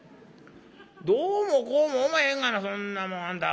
「どうもこうもおまへんがなそんなもんあんた。